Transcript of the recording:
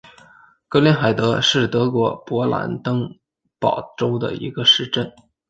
格林海德是德国勃兰登堡州的一个市镇。